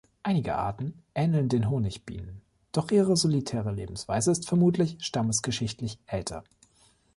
Einige Arten ähneln den Honigbienen, doch ihre solitäre Lebensweise ist vermutlich stammesgeschichtlich älter.